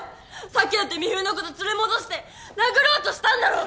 さっきだって美冬のこと連れ戻して殴ろうとしたんだろ！